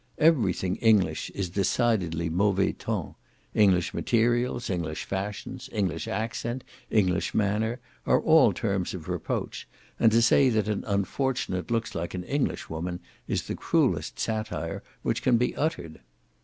Every thing English is decidedly mauvais ton; English materials, English fashions, English accent, English manner, are all terms of reproach; and to say that an unfortunate looks like an English woman, is the cruellest satire which can be uttered.